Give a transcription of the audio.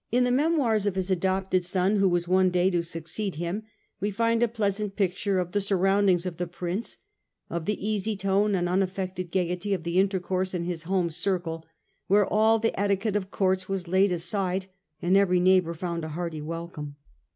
the memoirs of his adopted son, who was one day to succeed him, we find a pleasant picture of the surround ings of the prince, of the easy tone and unaffected gaiety of the intercourse in his home circle, where all the eti quette of courts was laid aside, and every neighbour found a hearty welcome.